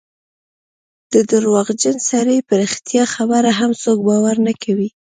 د درواغجن سړي په رښتیا خبره هم څوک باور نه کوي.